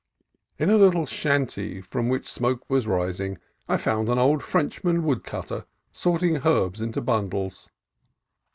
In a little shanty from which smoke was rising I found an old Frenchman woodcutter, sorting herbs into bundles.